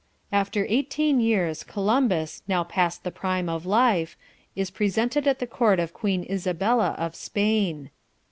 "...After eighteen years Columbus, now past the prime of life, is presented at the Court of Queen Isabella of Spain."